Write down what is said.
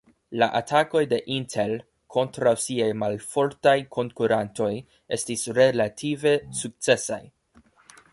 La atakoj de Intel kontraŭ siaj malfortaj konkurantoj estis relative sukcesaj.